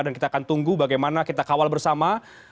dan kita akan tunggu bagaimana kita kawal bersama